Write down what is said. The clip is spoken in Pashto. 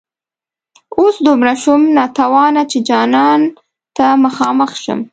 اوس دومره شوم ناتوانه چي جانان ته مخامخ شم